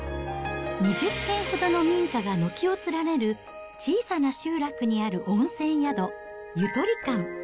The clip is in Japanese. ２０軒ほどの民家が軒を連ねる小さな集落にある温泉宿、ゆとり館。